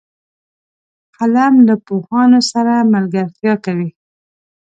قلم له پوهانو سره ملګرتیا کوي